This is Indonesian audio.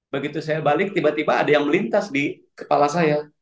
begitu saya balik tiba tiba ada yang melintas di kepala saya